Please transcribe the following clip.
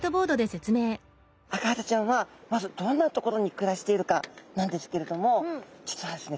アカハタちゃんはまずどんな所に暮らしているかなんですけれども実はですね